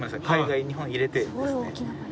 海外日本入れてですね。